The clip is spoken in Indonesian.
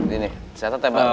ini saya tetebak